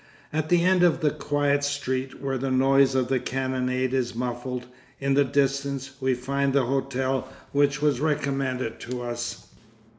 At the end of a quiet street, where the noise of the cannonade is muffled, in the distance, we find the hotel which was recommended to us.